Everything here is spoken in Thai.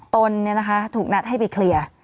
ตนถูกนัดให้ไปเคลียร์